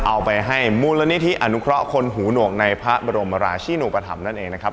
เอาไปให้มูลนิธิอนุเคราะห์คนหูหนวกในพระบรมราชินุปธรรมนั่นเองนะครับ